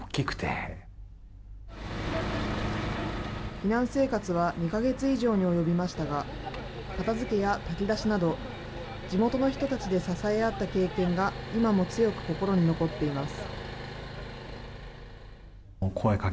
避難生活は２か月以上に及びましたが、片づけや炊き出しなど、地元の人たちで支え合った経験が、今も強く心に残っています。